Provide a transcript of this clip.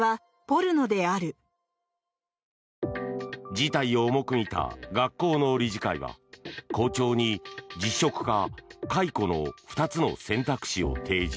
事態を重く見た学校の理事会は校長に辞職か解雇の２つの選択肢を提示。